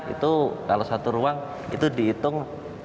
itu kalau satu ruang itu dihitung